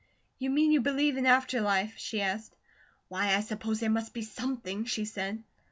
"You mean you believe in after life?" she asked. "Why, I suppose there must be SOMETHING," she said.